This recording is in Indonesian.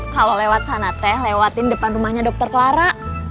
kalau lewat sana teh lewatin depan rumahnya dokter clara